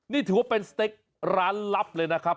นี่ถือว่าเป็นสเต็กร้านลับเลยนะครับ